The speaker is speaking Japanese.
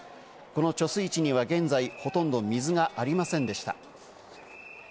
この貯水池には現在、ほとんど水がありませんでした。